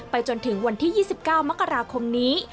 จนถึงวันที่๒๙มกราคมนี้